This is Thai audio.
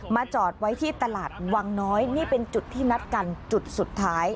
จอดไว้ที่ตลาดวังน้อยนี่เป็นจุดที่นัดกันจุดสุดท้าย